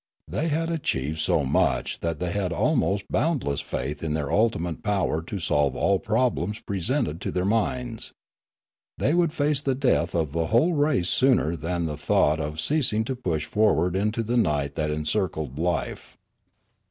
They had achieved so much that they had almost boundless faith in their ultimate power to solve all problems presented to their minds. They would face the death of the whole race sooner than the thought of ceasing to push forward into the night that encircled life.